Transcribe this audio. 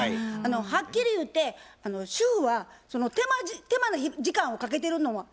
はっきり言うて主婦はその手間の時間をかけてるのは無理なんです。